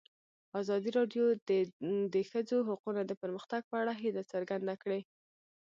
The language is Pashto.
ازادي راډیو د د ښځو حقونه د پرمختګ په اړه هیله څرګنده کړې.